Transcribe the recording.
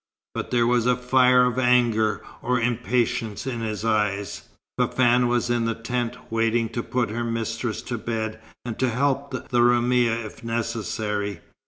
But there was a fire of anger or impatience in his eyes. Fafann was in the tent, waiting to put her mistress to bed, and to help the Roumia if necessary.